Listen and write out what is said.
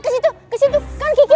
taruh ke sini